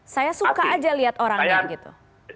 saya suka aja lihat orangnya gitu